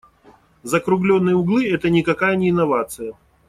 Закруглённые углы - это никакая не инновация.